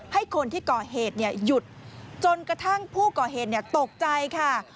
ให้คนที่ก่อเหตุหยุดจนกระทั่งผู้ก่อเหตุตกใจค่ะ